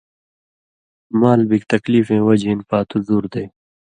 مال بِگ تکلیفَیں وجہۡ ہِن پاتُو زُور دے